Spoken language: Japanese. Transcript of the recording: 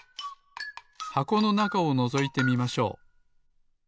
箱のなかをのぞいてみましょう。